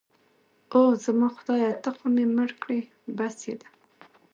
اوه، زما خدایه ته خو مې مړ کړې. بس يې ده.